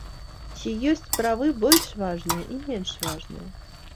Ці ёсць правы больш важныя і менш важныя?